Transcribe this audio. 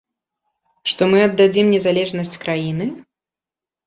Што мы аддадзім незалежнасць краіны?